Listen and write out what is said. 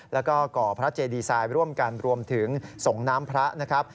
แล้วก็ก่อพระเจดีไซน์ร่วมกันรวมถึงส่งน้ำพระนะครับ